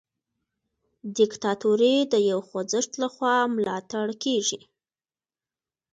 دیکتاتوري د یو خوځښت لخوا ملاتړ کیږي.